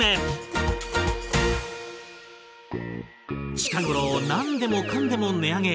近頃何でもかんでも値上げ。